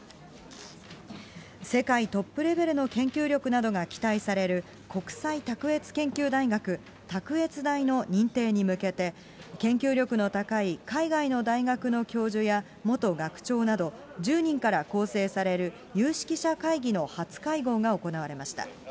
世界トップレベルの研究力などが期待される国際卓越研究大学、卓越大の認定に向けて、研究力の高い海外の大学の教授や元学長など、１０人から構成される有識者会議の初会合が行われました。